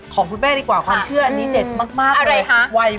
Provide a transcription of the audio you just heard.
ของคุณแม่ดีกว่าความเชื่ออันนี้เด็ดมากเลย